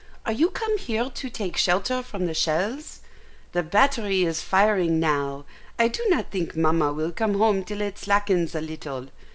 "Are you come here to take shelter from the shells? The battery is firing now; I do not think Mamma will come home till it slackens a little.